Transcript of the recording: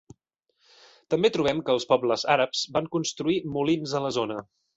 També trobem que els pobles àrabs van construir molins a la zona.